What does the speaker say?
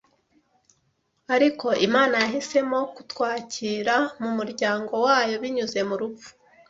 ariko Imana yahisemo kutwakira mu muryango wayo binyuze mu rupfu